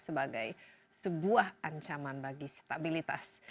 sebagai sebuah ancaman bagi stabilitas